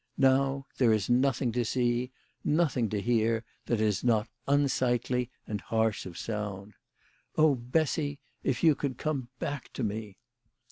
Now, there is nothing to see, nothing to hear, that is not unsightly and harsh of sound. Oh, Bessy, if you could come back to me